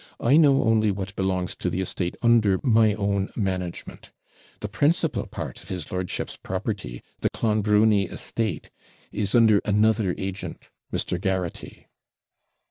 I know only what belongs to the estate under my own management. The principal part of his lordship's property, the Clonbrony estate, is under another agent, Mr. Garraghty.'